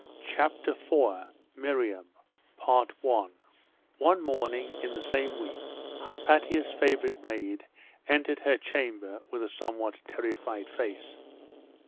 CHAPTER IV: MIRIAM One morning in the same week, Hypatia's favourite maid entered her chamber with a somewhat terrified face.